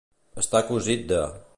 Estar cosit de.